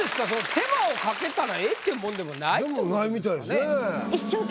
手間をかけたらええっていうもんでもないってことですかね。